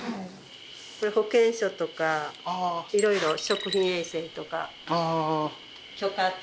これ保険証とかいろいろ食品衛生とか許可とかいろいろ。